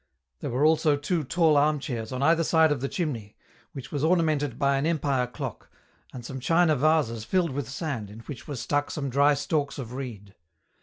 There were also two tall arm chairs on either side of the chimney, which was ornamented by an Empire clock, and some china vases filled with sand, in which were stuck some dry stalks of reed.